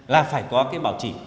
là phải có bảo trì